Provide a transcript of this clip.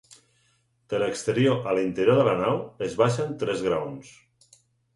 De l'exterior a l'interior de la nau, es baixen tres graons.